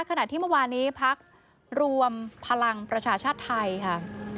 ขณะที่เมื่อวานี้พักรวมพลังประชาชาติไทยค่ะ